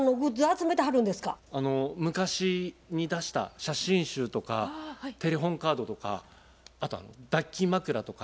昔に出した写真集とかテレホンカードとかあと抱き枕とか。